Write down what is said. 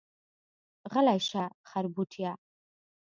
غلی شه خربوټيه.